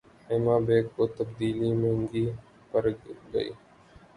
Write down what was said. ئمہ بیگ کو تبدیلی مہنگی پڑ گئی